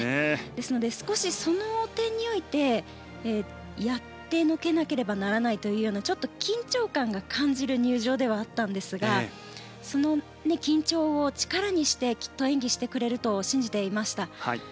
ですので、少しその点においてやってのけなければならないというようなちょっと緊張感が感じる入場ではあったんですがその緊張を力にしてきっと演技してくれると信じていました。